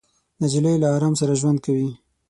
نجلۍ له ارام سره ژوند کوي.